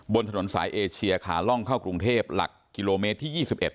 บนถนนสายเอเชียขาล่องเข้ากรุงเทพหลักกิโลเมตรที่๒๑